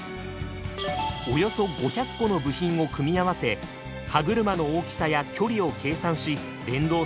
およそ５００個の部品を組み合わせ歯車の大きさや距離を計算し連動させています。